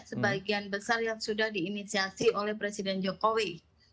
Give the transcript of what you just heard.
sebagian besar yang sudah diinisiasi oleh presiden jokowi